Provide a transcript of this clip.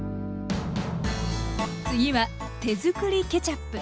次は手づくりケチャップ。